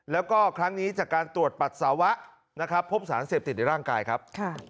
แล้วก็ครั้งนี้จากการตรวจปัสสาวะนะครับพบสารเสพติดในร่างกายครับ